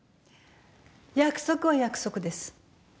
約束は約束です。